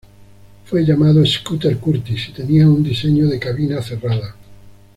Fue llamado "Scooter Curtiss" y tenía un diseño de cabina cerrada.